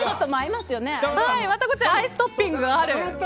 またこちらアイストッピングがある。